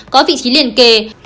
có vị trí liên kề